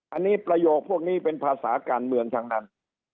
อันนี้ประโยคพวกนี้เป็นภาษาการเมืองทั้งนั้น